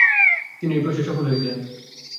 তিনি এই প্রয়াসে সফল হয়েছিলেন।